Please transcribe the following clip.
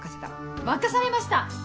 任されました！